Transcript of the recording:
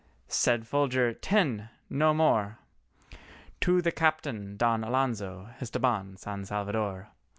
Said Folger, "Ten—no more," To the Captain Don Alonzo Estabán San Salvador.